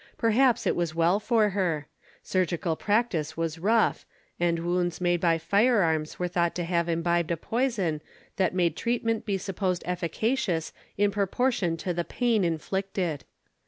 Perhaps it was well for her. Surgical practice was rough, and wounds made by fire arms were thought to have imbibed a poison that made treatment be supposed efficacious in proportion to the pain inflicted.